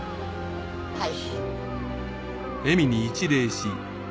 はい。